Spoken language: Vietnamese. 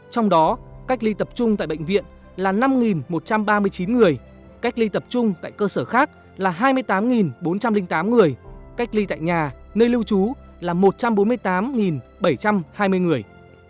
trong đó cách ly tập trung tại bệnh viện là năm một trăm ba mươi chín người cách ly tập trung tại cơ sở khác là hai mươi tám bốn trăm linh tám người cách ly tại nhà nơi lưu trú là một trăm bốn mươi tám bảy trăm hai mươi người